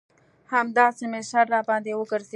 همداسې مې سر راباندې وگرځېد.